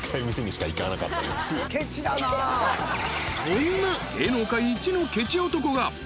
［そんな芸能界いちのケチ男が］